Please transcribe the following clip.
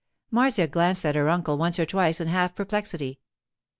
Marcia glanced at her uncle once or twice in half perplexity.